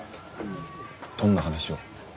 どんな話を？